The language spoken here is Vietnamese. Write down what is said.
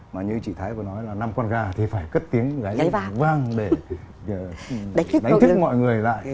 mà như chị thái vừa nói là năm con gà thì phải cất tiếng gáy vang để đánh thức mọi người lại